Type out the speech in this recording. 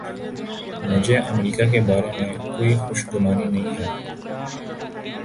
مجھے امریکہ کے بارے میں کوئی خوش گمانی نہیں ہے۔